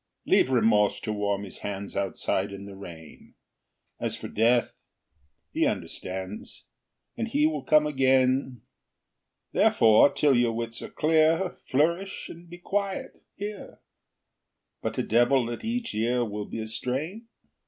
Leave Remorse to warm his hands Outside in the rain. As for Death, he understands, And he will come again. Therefore, till your wits are clear, Flourish and be quiet here. But a devil at each ear Will be a strain?